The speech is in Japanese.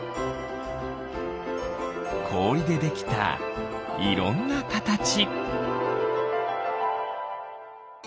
こおりでできたいろんなかたち。